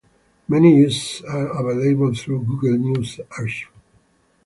Many issues are available through Google News Archive.